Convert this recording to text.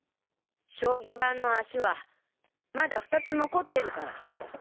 将棋盤の脚はまだ２つ残ってるから。